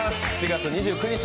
７月２９日